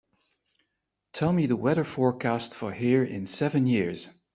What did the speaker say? Tell me the weather forecast for here in seven years